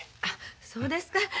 あそうですか。